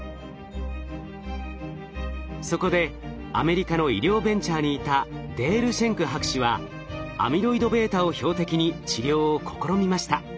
そこでアメリカの医療ベンチャーにいたデール・シェンク博士はアミロイドβを標的に治療を試みました。